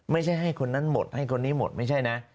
ไม่ใช่ให้คนนั้นหมดให้คนนี้หมดไม่ใช่นะ